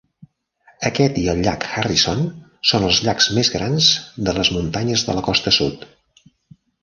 Aquest i el llac Harrison són els llacs més grans de les muntanyes de la costa sud.